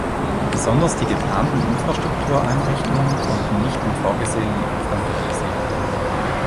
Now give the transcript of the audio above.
Besonders die geplanten Infrastruktureinrichtungen konnten nicht im vorgesehenen Umfang realisiert werden.